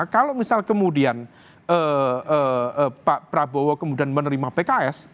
kalau misal kemudian pak prabowo kemudian menerima pks